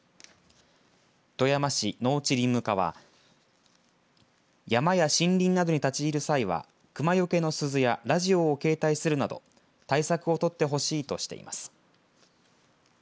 富山市農地林務課は山や森林などに立ち入る際は熊よけの鈴やラジオを携帯するなど対策を取ってほしいとしています。